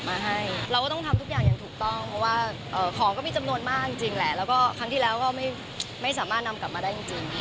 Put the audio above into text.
เพราะว่าของก็มีจำนวนมากจริงแหละแล้วก็ครั้งที่แล้วก็ไม่สามารถนำกลับมาได้จริง